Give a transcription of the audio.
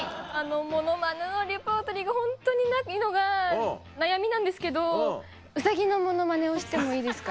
モノマネのレパートリーがホントにないのが悩みなんですけどウサギのモノマネをしてもいいですか？